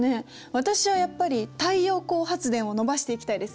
私はやっぱり太陽光発電を伸ばしていきたいですね。